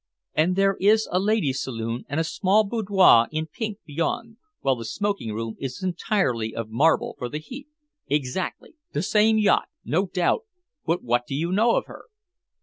"And there is a ladies' saloon and a small boudoir in pink beyond, while the smoking room is entirely of marble for the heat?" "Exactly the same yacht, no doubt! But what do you know of her?"